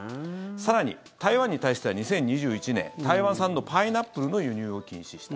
更に、台湾に対しては２０２１年台湾産のパイナップルの輸入を禁止した。